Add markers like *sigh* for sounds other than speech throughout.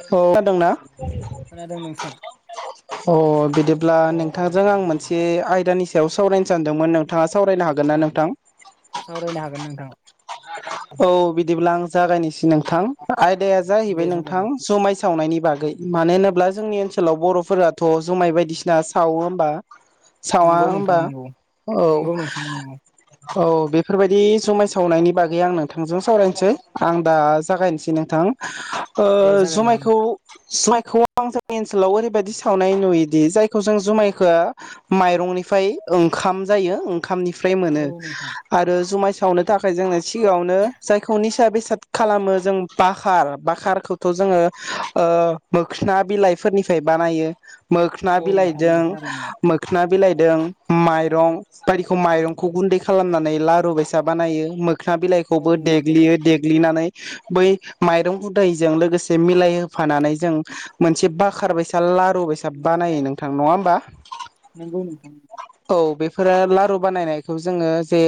औ खोनादोंना? खोनादों नोंथां अह बिदि ब्ला नोंथांजों आं मोनसे आयदानि सायाव सावरायनो सानदोंमोन नोंथाङा सावरायनो हागोन ना नोंथां? सावरायनो हागोन नोंथां। औ बिदिब्ला आं जागायनोसै नोंथां। आयदाया दे जाहैबाय जागाय नोंथां दे जोमाय सावनायनि बागै मानो होनना बु ङोब्ला जोंनि ओनसोलाव बर'फोरा थ' जुमाय बायदिसिना सावो होमबा सावा नंगौ नोंथां होमबा नंगौ औ नंगौ नोंथां नंगौ। औ बेफोरबायदि जुमाय सावनायनि बागै आंनो नोंथांजों सावरायनोसै आं दा जागायनोसै नोंथां। ओ दे जागाय जागोन जुमायखौ जुमायखौ आं जोंनि ओनसोलाव ओरैबायदि सावनाय नुयोदि जायखौ जों जुमायखो माइरंनिफ्राय ओंखाम जायो खामनिफ्राय मोनो औ नोंथां आरो जु सावनो थाखाय जोंनो सिगाङाव नो जायखौ निसा बेसाद खालामो जों बाखार बाखारखौथ' जोङो ओ मोखोना बिलाइफोरनिफ्राय बानायो। मोखोना औ नोंथां औ बिलाइदों थारैनो मोखोना बिलाइदों माइरं बायदिखौ माइरंखौ गुन्दै खालामनानै लारु बायसा बानायो मोख्रा बिलाइ औ खौबो नोंथां औ देग्लियो देग्लिनानै बै माइरं उदायजों लोगोसे मिलाय होफानानै जों मोनसे बखार बायसा लारु बेसाद बानायो नोंथां नङा होमबा? नंगौ नोंथां। औ बेफोरो लारु बानायनायखौ जोङो जे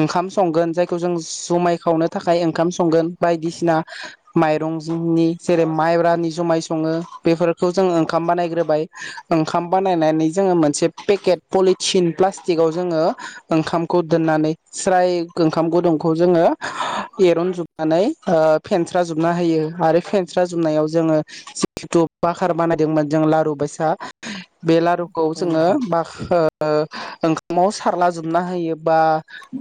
ओंखाम संगोन जायखौ जों जुमाय खावनो थाखाय ओंखाम संगोन बायदिसिना माइरं जोंनि जेरै माइब्रानि जुमाय सङो बेफोरखौ जोङो ओंखाम बानायग्रोबाय ओंखाम बानायनानै जोङो मोनसे पेकेट पलिथिन प्लास्टिकआव जोङो ओंखामखौ दोननानै स्राय ओंखाम गुदुंखौ जोङो एरनजोबनानै ओ फेनस्रा जोबना होयो आरो फेनस्रा जोबनायाव जोङो जिखेथु फाखार बानायदोंमोन जों लारु बायसा बे लारुखौ औ जोङो नोंथां बाखोर ओंखामाव सारला जोबना होयो बा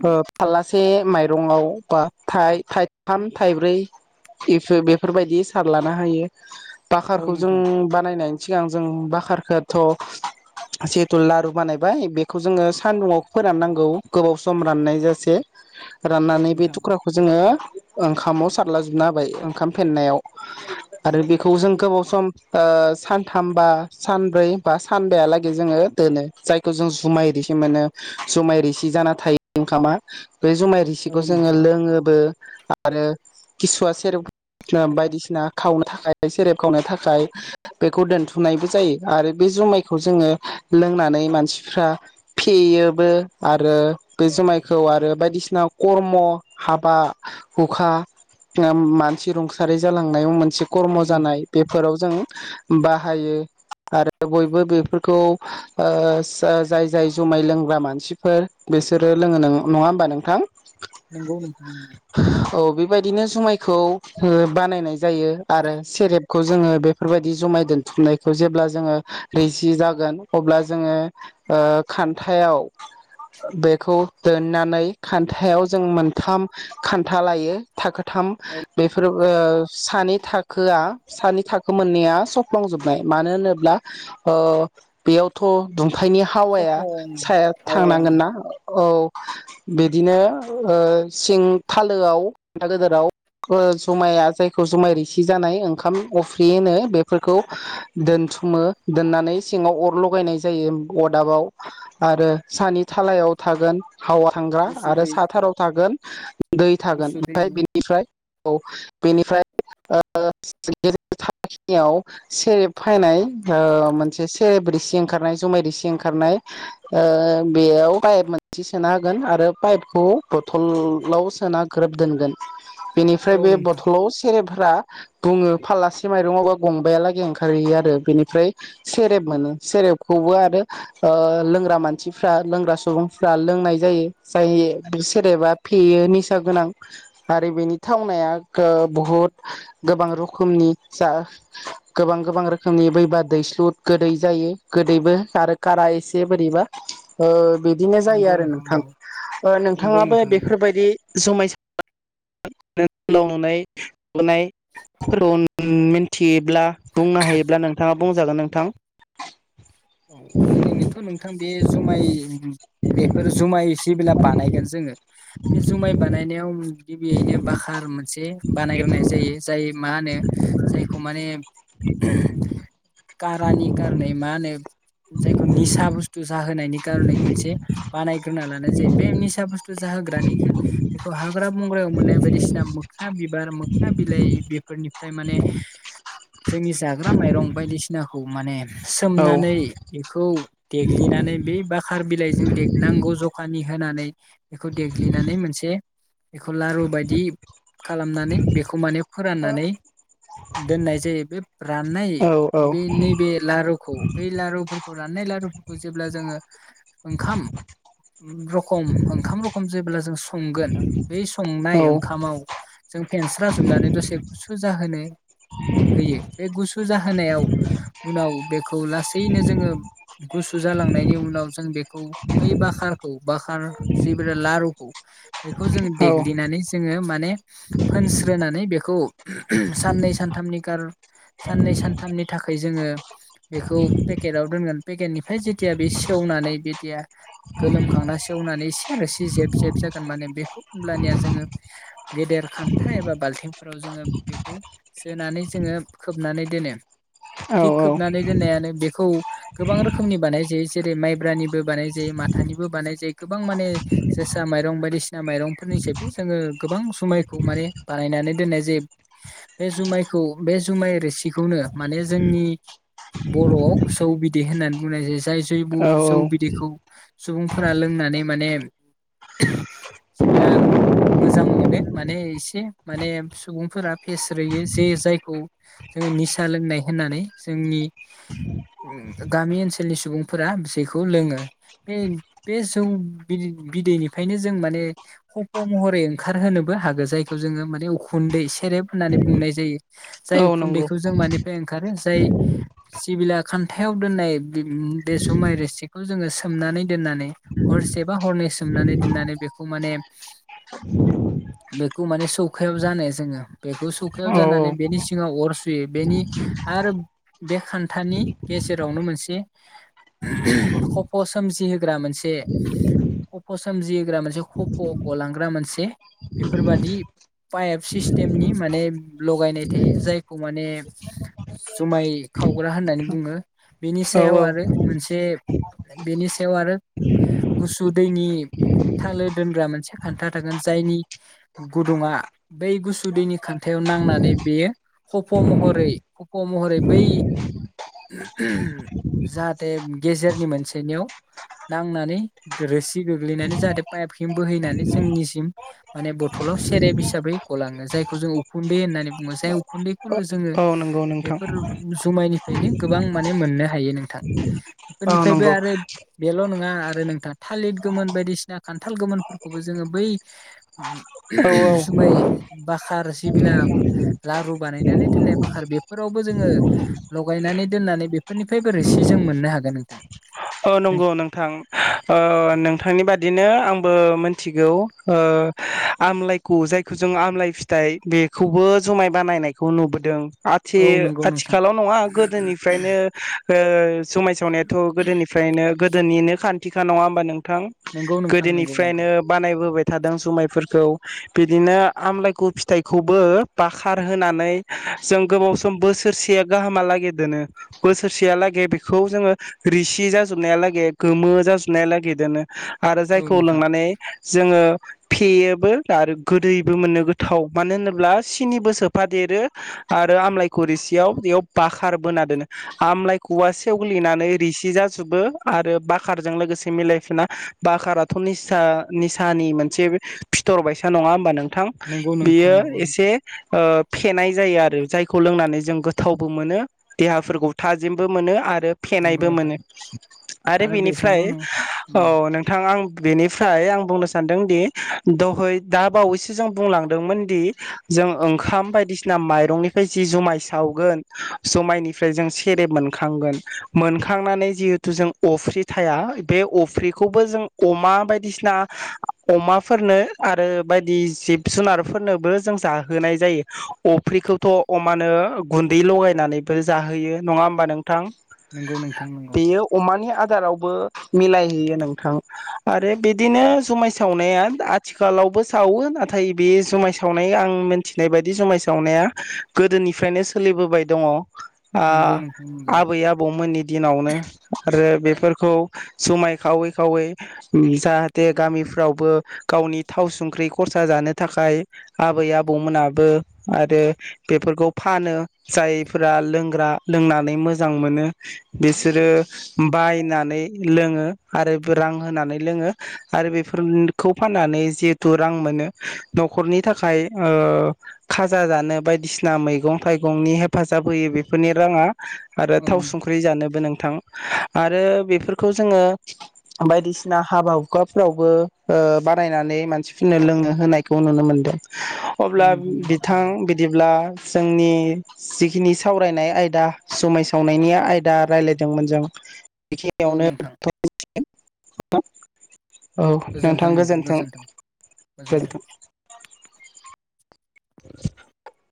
ओ फाल्ला से माइ रंआव बा थाइ थाइथाम थाइब्रै बेफोरबायदि सारलाना होयो। औ बखारखौ जों नोंथां बानायनानै सिगां जों बकारखौथ' जिहेथु लारु बानायबाय बेखौ जोङो सानदुंआव फोराननांगौ गोबाव सम राननाय जासे औ राननानै बे नोंथां थुख्राखौ जोङो ओंखामाव सारलाजोबनो होबाय ओंखाम फेनायाव आरो बेखौ जों गोबाव सम ओ सानथाम बा सानब्रै बा सानबायालागै जोङो दोनो जायखौ जों जुमाय रिसि मोनो जुमाय रिसि जाना थायो ओंखामा बे जुमाय औ सिखौ जोङो नोंथां लोङोबो आरो किसुआ सेरेब बायदिसिना खावनो थाखाय सेरेब खावनो थाखाय बेखौ दोनथुमनायबो जायो आरो बे जुमायखौ जोङो लोंनानै मानसिफ्रा फेयोबो आरो बे जुमायखौ आरो बायदिसिना कर्म हाबा हुखा मानसि रुंसारि जालांनायाव मोनसे मोनसे खर्म औ नोंथां जानाय बेफोराव जों बाहायो आरो बयबो बेफोरखौ ओ जाय जाय जुमाय लोंग्रा मानसिफोर बिसोरो लोङो न नङा होमबा नोंथां नोंगौ नोंथां नंगौ औ बेबायदिनो जुमायखौ बानायनाय जायो आरो सेरेबखौ जोङो बेफोरबायदि जुमाय दोनथुमनायखौ जेब्ला जोङो रिजि जागोन अब्ला जोङो खान्थायाव बेखौ दोननानै थायाव जों मोनथाम खान्था लायो थाखोथाम औ बेफोर ओ सानै थाखोआ सानि थाखो मोनैया सफ्लांजोबनाय मानो होनोब्ला बेयावथ' ओखायनि हावाया खफं साया हावाया थांनांगोनना औ बे बिदिनो सिं थालोआव बान्था गदोराव जुमाया जायखौ जुमाय रिसि जानाय ओंखाम अफ्रि होनो बेफोरखौ दोनथुमो दोननानै सिङाव अर लगायनाय जायो अरदाबाव आरो सानि थालायाव थागोन हावा थांग गुसु आरो दै साथाराव थागोन दै थागोन गुसु ओमफ्राय दैनि बेनिफ्राय बेनिफ्राय गखियाव सेरेब फैनाय मोनसे सेरेबसि ओंखारनाय जुमाय रसि ओंखारनाय बेयाव बाइ मोनसे सोना होगोन आरो पाइपखौ बथलाव सोना ग्रोब दोनगोन बेनिफ्राय औ बे नोंथां बथलाव सेरे मानसिफोरा बुङो फालासे माइरंवावबा गंबाया लागै ओंखारहैयो आरो बेनिफ्राय सेरेब मोनो सेरेबखौबो आरो लोंग्रा मानसिफ्रा लोंग्रा सुबुंफ्रा लोंनाय जायो जाय सेरेबा फेयो निसा गोनां आरो बेनि थावनाया बहुद गोबां रोखोमनि जा गोबां गोबां रोखोमनि बैबा दैस्लु गोदै जायो गोदैबो आरो खारा एसे बोरैबा बिदिनो जायो नंगौ आरो नोंथां नंगौ नंगौ नोंथाङाबो नोंथां नंगौ बेफोरबायदि जमाय नाय *unintelligible* उम मिन्थि ब्ला बुंनो हायोब्ला नोंथाङा बुंजागोन नोंथां औ ओरैनोथ' नोंथां बे जुमाय बेफोर जुमाय जेबोला बानायगोन जोङो बे जुमाय बानायनायाव गिबियैनो बाखार से बानायग्रोनाय जायो जाय मा होनो जायखौ माने *unintelligible* कारानि कारनै मा होनो जायखौ निसा बुस्थु जाहोनायनि कखरनै मोनसे बानाय होना लानाय जायो बे निसा बुस्थु जाहोग्रानिखो बेखौ हाग्रा बंग्रायाव मोननाय बायदिसिना मोखना बिबार मोखना बिलाइ बेफोरनिफ्राय माने जोंनि जाग्रा माइरं बायदिसिनाखौ माने औ सोमनानै बेखौ देग्लिनानै बे बाखार बिलाइजों देगनां अज'खानि होनानै बेखौ देग्लिनानै मोनसे बेखौ लारु बायदि खालामनानै बेखौ माने फोराननानै दोननाय जायो बे राननाय औ औ बे नैबे लारुखौ बे लारु राननाय लारुफोरखौ जेब्ला जोङो ओंखाम रखम ओंखाम रखम जेब्ला जों संगोन बै औ संनाय ओंखामाव जों फेनस्रा जोबनानै दसे गुसु जाहोनो होयो बे गुसु जाहोनायाव उनाव बेखौ लासैनो जोङो गुसु जालांनायनि उनाव जों बेखौ बै बाखारखौ बाखार जि बे लारुखौ बेखौ जों औ देग्लिनानै जोङो माने फोनस्रोनानै बेखौ *unintelligible* साननै सानथामनि कार' साननै सानथामनि थाखाय जोङो बेखौ पेकेटआव दोनगोन पेकेटनिफ्राय जेथिया बे सेवनानै बिदिया गोलोमखांना सेवनानै एसे आरोसे जेब जेब जागोन माने बेखौ होमब्लानिया जोङो गेदेर खान्था एबा बाल्थिंफोराव जोङो बेखौ सोनानै जोङो खोबनानै दोनो थिग औ खोबनानै दोननायानो बे खौ गोबां रोखोमनि बानाय जायो जेरै माइब्रानिबो बानाय जायो माथानिबो बानाय जायो गोबां माने जोसा माइरं बायदिसिना माइरंफोरनि सबो जोङो गोबां जुमायखौ माने बानायनानै दोननाय जायो बे जुमायखौ बे जुमाइ रोसिखौनो माने जोंनि बर'आव जौ बिदै होननानै बुंनाय जायो जाय जैबु औ जौ बिदैखौ सुबुंफोरा लोंनानै माने जेब्ला मोजां मोनो माने एसे माने सुबुंफोरा फेसरोयो जे जायखौ जोङो निसा लोंनाय होननानै जोंनि उम गामि ओनसोलनि सुबुंफोरा बिसायखौ लोङो बे बे जौ बिदै बिदैनिफ्रायनो जों माने खफ' महरै ओंखारहोनोबो हागोन जायखौ जोङो माने उखुन्दै सेरेब होननानै बुंनाय जायो जाय औ नंगौ उखुन्दैखौ जों मानिफ्राय ओंखारो जाय सिबिला खान्थायाव दोननाय बे जुमाय रोसिखौ जोङो सोमनानै दोननानै हरसे बा हरनै सोमनानै दोननानै बेखौ माने बेखौ माने सौखायाव जानो जोङो बेखौ सौखायाव औ औ जानानै बेनि सिङाव अर सुयो बेनि आरो बे खान्थानि गेजेरावनो मोनसे खफ' सोमजिहोग्रा मोनसे खफ' सोमजिहोग्रा मोनसे खफ' गलांग्रा मोनसे बेफोरबादि पाइप सिस्टेमनि माने लगायनाय थायो जायखौ माने जुमाय खावग्रा होननानै बुङो बेनि औ सायाव औ आरो मोनसे बेनि सायाव आरो गुसु दैनि थालो दोनग्रा मोनसे खान्था थागोन जायनि गुदुङा बै गुसु दैनि खान्थायाव नांनानै बेयो खफ' महरै खफ' महरै बै *unintelligible* जाहाथे गेजेरनि मोनसेनियाव नांनानै रोसि गोग्लैनानै जाहाथे पाइपसिम बोहैनानै जोंनिसिम माने बथ'लाव सेरेब हिसाबै गलाङो जायखौ जों उखुन्दै होननानै बुङो जाय उखुन्दै *unintelligible* जोङो औ नंगौ नोंथां बेफोर जुमायनि बेनो गोबां माने मोननो हायो नोंथां औ बेफोरनिफ्रायबो नंगौ आरो बेल' नङा आरो नोंथां थालिर गोमोन बायदिसिना खान्थाल गोमोनफोरखौबो जोङो बै *unintelligible* औ औ जुमाय बाखार जिबिला लारु बानायनानै दोननाय बाखार बे फोरावबो जोङो लगायनानै दोननानै बेफोरनिफ्राय बो रोसि जों मोननो हागोन नोंथां अ नंगौ नोंथां ओ नोंथांनि बादिनो आंबो मिथिगौ ओ आमलाइखौ जायखौ जों आमलाइ फिथाइ बेखौबो जुमाय बानायनायखौ नुबोदों औ नंगौ नोंथां आथि-आथिखालाव नङा गोदोनिफ्रायनो ओ जुमाय सावनायाथ' गोदोनि गोदोनिनो खान्थिखा नङा होमबा नों थां नंगौ नोंथां नंगौ नंगौ गोदोनिफ्रायनो बानायबोबाय थादों जुमायफोरखौ बिदिनो आमलायगु फिथायखौबो बाखार होनानै जों गोबाव सम बोसोरसे गाहाम हालागि दोनो बोसोरसेया लागि बेखौ जोंङो रोसि जाजोबनाया लागे गोमो जाजोबनाया लागे दोनो। आरो औ जायखौ नोंथां लोंनानै जोङो फेयोबो आरो गोदैबो मोनो गोथाव मानो होनोब्ला सिनिबो सोफा देरो आरो आमलाइगु रिसियाव बेयाव बाखार बोना दोनो आमलायखुवा सेवग्लिनानै रिसि जा जोबो आरो बाखारजों लोगोसे मिलायफिना बाखाराथ' निसा निसानि मोनसे फिथर बायसा नङा होमबा नों थां नंगौ नोंथां बियो नंगौ एसे नोंथां ओ फेनाय जायो आरो जायखौ लोंनानै जों गोथावबो मोनो देहाफोरखौ थाजिमबो मोनो आ रो नंगौ फेनायबो नोंथां मोनो। आरो बेजोंल' बेनिफ्राय नङा औ औ नोंथां बेनिफ्राय आं बुंनो सानदों दि दहय दा बावैसो जों बुंलांदोंमोन दि जों ओंखाम बायदिसिना माइरंनिफ्राय जि जुमाय सावगोन जमायनिफ्राय जों सेरेब मोनखांगोन मोनखांनानै जिहेथु जों अफ्रि थाया बे अफ्रिखौबो जों अमा बायदिसिना अमाफोरनो आरो बायदि जिब जुनारफोरनोबो जों जाहोनाय जायो अफ्रिखौथ' अमानो गुन्दै लगायनानैबो जाहोयो नङा होमबा नोंथां? नंगौ नों बेयो अमानि आदारावबो मिलायहैयो नोंथां आरो बिदिनो जुमाय सावनाया आथिखालावबो सावो नाथाय बे जुमाय सावनाय आं मिथिनाय बायदि जुमाय सावनाया गोदोनिफ्रायनो सोलिबोबाय दङ। आ नंगौ नोंथां नंगौ आबै आबौमोननि दिनावनो। आरो बेफोरखौ जुमाय खावै खावै जाहाथे गामिफ्रावबो गावनि थाव संख्रि खरसा जानो थाखाय आबै आबौमोनाबो आरो बेफोरखौ फानो जायफोरा लोंग्रा लोंनानै मोजां मोनो बि सोरो बायनानै लोङो आरो रां होनानै लोङो आरो बेफोरखौ फाननानै जिहेथु रां मोनो न'खरनि थाखाय ओ खाजा जानो बायदिसिना मैगं थाइगंनि हेफाजाब होयो बेफोरनि राङा। आरो औ थाव नोंथां संख्रि जानोबो नों आरो बेफोरखौ जोङो बायदिसिना हाबा हुखाफोरावबो ओ बानायनानै मानसिफोरनो लोंनो होनायखौ नुनो मोनदों। अब्ला नंगौ नोंथां बिथां नंगौ बिदिब्ला जोंनि जिखिनि सावरायनाय आयदा जुमाय सावनायनि आयदा रायलाय दोंमोन जों *inaudible* औ नोंथां *inaudible* औ नोंथां गोजोन्थों गोजोनथों गोजोन्थों गोजोन्थों गोजोनथों। *inaudible*